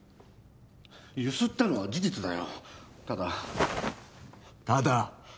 ゆすったのは事実だよただただ？